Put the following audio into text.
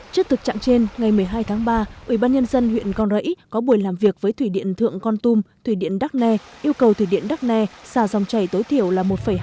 trước thực trạng trên ngày một mươi hai tháng ba ủy ban nhân dân huyện con rẫy có buổi làm việc với thủy điện thượng con tum thủy điện đắc nè yêu cầu thủy điện đắc nè xà dòng chảy tối nay